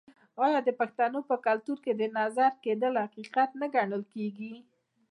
آیا د پښتنو په کلتور کې د نظر کیدل حقیقت نه ګڼل کیږي؟